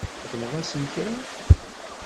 Txedmeḍ-asent kra?